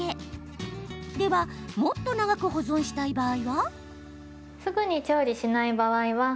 ではもっと長く保存したい場合は？